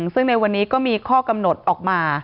ซึ่งในวันนี้ก็มีข้อกำหนดออกมา